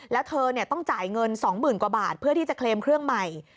แล้วเธอต้องจ่ายเงิน๒๐๐๐กว่าบาทเพื่อที่จะเคลมเครื่องใหม่